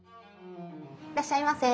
いらっしゃいませ。